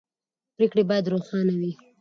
پرېکړې باید روښانه وي